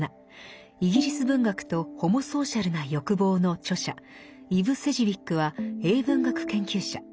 イギリス文学とホモソーシャルな欲望」の著者イヴ・セジウィックは英文学研究者。